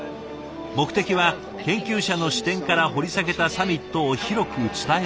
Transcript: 目的は研究者の視点から掘り下げたサミットを広く伝えるため。